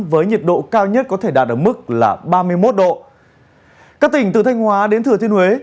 với nhiệt độ cao nhất có thể đạt được mức là ba mươi một độ các tỉnh từ thanh hóa đến thừa thiên huế